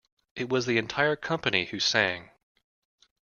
It was the entire company who sang.